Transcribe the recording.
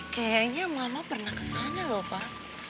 kayaknya mama pernah kesana lho pak